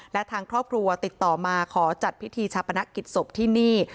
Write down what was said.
และทางครอบครัวติดต่อมาขอจัดพิธีชาปนกิจศพที่นี่